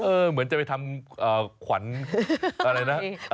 เหมือนจะไปทำขวัญอะไรนะ